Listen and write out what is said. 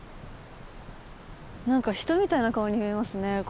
なんか人みたいな顔に見えますね